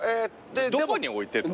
どこに置いてるの？